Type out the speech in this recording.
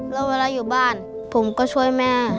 แล้วเวลาอยู่บ้านผมก็ช่วยแม่